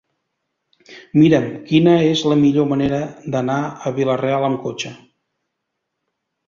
Mira'm quina és la millor manera d'anar a Vila-real amb cotxe.